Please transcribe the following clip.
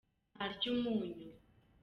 ntarya umunyu.